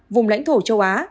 vùng lãnh thổ châu á